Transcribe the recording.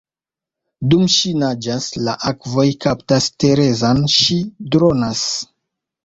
Dum ŝi naĝas, la akvoj kaptas Terezan, ŝi dronas.